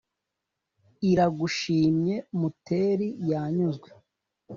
Iragushimye Muteri yanyuzwe,